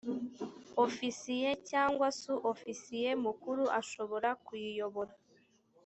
ofisiye cyangwa su ofisiye mukuru ashobora kuyiyobora